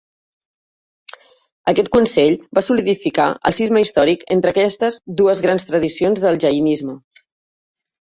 Aquest consell va solidificar el cisma històric entre aquestes dues grans tradicions del jainisme.